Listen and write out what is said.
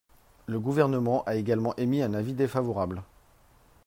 Le Gouvernement a également émis un avis défavorable.